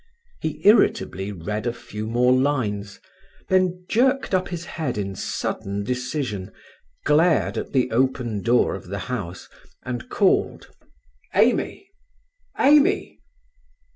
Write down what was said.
He irritably read a few more lines, then jerked up his head in sudden decision, glared at the open door of the house, and called: "Amy! Amy!"